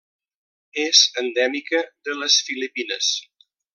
És endèmica de les Filipines.